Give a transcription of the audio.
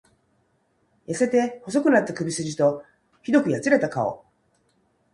痩せて細くなった首すじと、酷くやつれた顔。